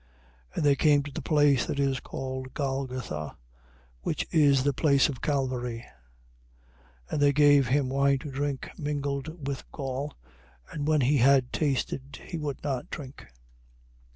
27:33. And they came to the place that is called Golgotha, which is the place of Calvary. 27:34. And they gave him wine to drink mingled with gall. And when he had tasted, he would not drink.